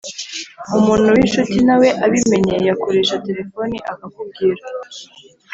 umuntu w’inshuti na we abimenye yakoresha terefoni akakubwira